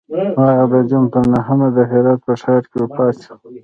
هغه د جون پر نهمه د هرات په ښار کې وفات شو.